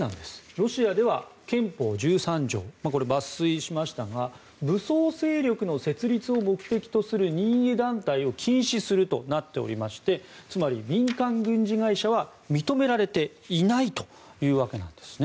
ロシアでは憲法１３条抜粋しましたが武装勢力の設立を目的とする任意団体を禁止するとなっておりましてつまり民間軍事会社は認められていないわけなんです。